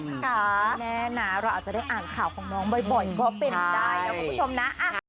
แน่นะเราอาจจะได้อ่านข่าวของน้องบ่อยก็เป็นได้นะคุณผู้ชมนะ